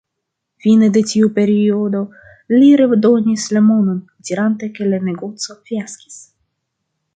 Fine de tiu periodo, li redonis la monon, dirante ke la negoco fiaskis.